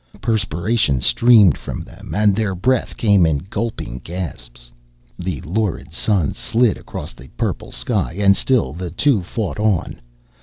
Perspiration streamed from them and their breath came in gulping gasps. The lurid sun slid across the purple sky and still the two fought on.